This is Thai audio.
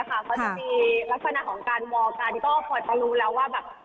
เขาจะดีลักษณะของการมองการก็พอจะรู้แล้วว่า